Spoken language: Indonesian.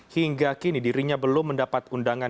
hingga kini dirinya belum mendapat undangan